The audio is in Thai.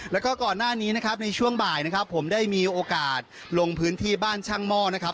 แล้วก็ก่อนหน้านี้นะครับในช่วงบ่ายนะครับผมได้มีโอกาสลงพื้นที่บ้านช่างหม้อนะครับ